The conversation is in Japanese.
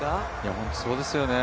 本当にそうですよね。